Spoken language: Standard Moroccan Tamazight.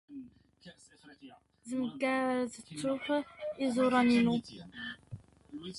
ⴷ ⴰⵎⴳⴰⵔ ⴰⴷ ⵜⵜⵓⵖ ⵉⵥⵓⵕⴰⵏ ⵉⵏⵓ.